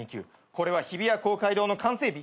これは日比谷公会堂の完成日。